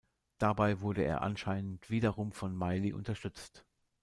Dabei wurde er anscheinend wiederum von Meili unterstützt.